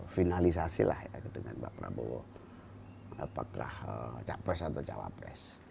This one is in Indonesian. finalisasi lah dengan pak prabowo apakah capres atau cawapres